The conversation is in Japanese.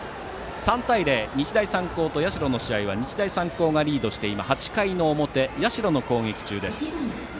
３対０、日大三高と社の試合は日大三高がリードして今、８回の表社の攻撃中です。